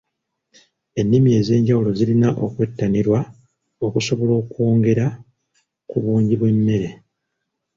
Ennima ez'enjawulo zirina okwettanirwa okusobola okwongera ku bungi bw'emmere.